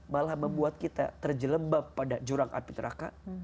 malah membuat kita terjelembab pada jurang api teraka